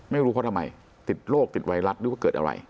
ไม่รู้เขาทำไมติดโรคติดไวรัสหรือว่าเกิดอะไร